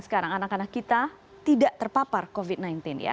sekarang anak anak kita tidak terpapar covid sembilan belas ya